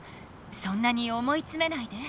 そんなに思いつめないで。